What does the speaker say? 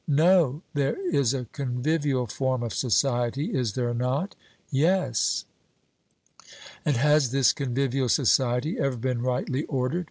'No.' There is a convivial form of society is there not? 'Yes.' And has this convivial society ever been rightly ordered?